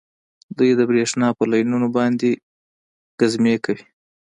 دوی د بریښنا په لینونو باندې ګزمې کوي